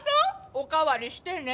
おかわりしてね。